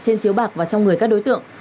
trên chiếu bạc và trong người các đối tượng